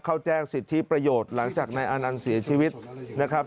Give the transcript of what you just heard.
เข้าแจ้งสิทธิประโยชน์หลังจากนายอานันต์เสียชีวิตนะครับ